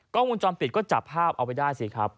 กล้องมูลจอมปิดก็จับภาพเอาไว้ได้สิครับ